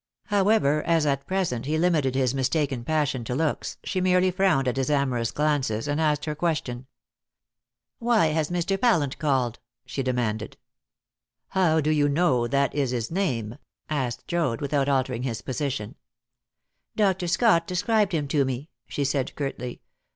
However, as at present he limited his mistaken passion to looks, she merely frowned at his amorous glances, and asked her question. "Why has Mr. Pallant called?" she demanded. "How do you know that is his name?" asked Joad, without altering his position. "Dr. Scott described him to me," she said curtly.